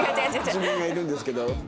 自分がいるんですけど。